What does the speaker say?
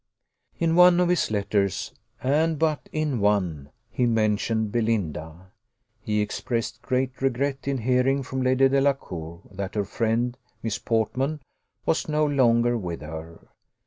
In one of his letters, and but in one, he mentioned Belinda. He expressed great regret in hearing from Lady Delacour that her friend, Miss Portman, was no longer with her.